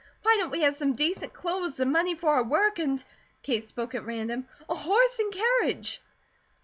Why don't we have some decent clothes, some money for out work and" Kate spoke at random "a horse and carriage?"